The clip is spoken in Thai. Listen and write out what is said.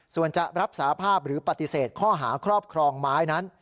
ส่วนจะรับสาภาพหรือปฏิเสธข้อหาครอบครองไม้นั้น